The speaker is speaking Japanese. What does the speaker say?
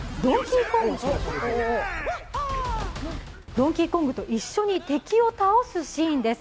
ドンキーコングと一緒に敵を倒すシーンです。